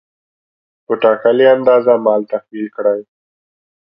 په ټاکلې اندازه مال تحویل کړ.